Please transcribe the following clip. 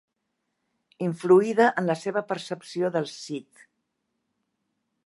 Influïda en la seva percepció del Cid.